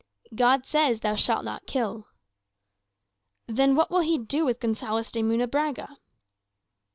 "God says, 'Thou shall not kill.'" "Then what will he do with Gonzales de Munebrãga?"